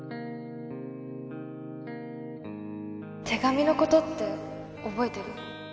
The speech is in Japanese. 手紙のことって覚えてる？